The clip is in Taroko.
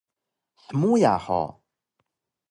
Hmuya hug?